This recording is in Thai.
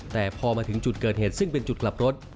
แต่พอมาถึงจุดเกิดเหตุซึ่งเป็นจุดกลับรถ